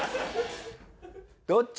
「どっち？」